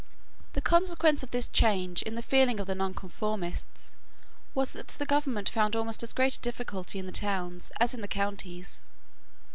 The consequence of this change in the feeling of the Nonconformists, was that the government found almost as great difficulty in the towns as in the counties.